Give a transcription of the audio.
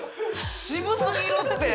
渋すぎるって！